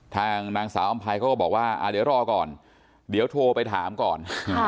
ทางนางสาวอำภัยเขาก็บอกว่าเดี๋ยวรอก่อนเดี๋ยวโทรไปถามก่อน